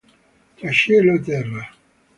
Tra cielo e terra